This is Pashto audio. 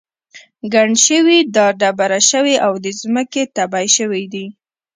ګڼ شوي را دبره شوي او د ځمکې تبی شوي دي.